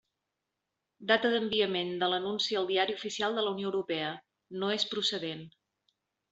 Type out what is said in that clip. Data d'enviament de l'anunci al Diari Oficial de la Unió Europea: no és procedent.